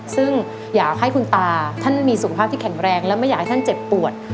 ซึ่งอยากให้คุณตาท่านมีสุขภาพที่แข็งแรงและไม่อยากให้ท่านเจ็บปวด